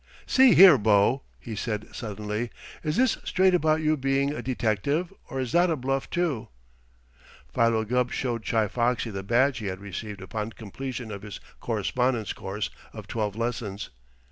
"See here, bo," he said suddenly, "is this straight about you being a detective, or is that a bluff, too?" Philo Gubb showed Chi Foxy the badge he had received upon completion of his correspondence course of twelve lessons.